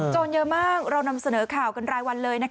เยอะมากเรานำเสนอข่าวกันรายวันเลย